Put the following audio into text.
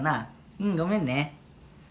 うんごめんね。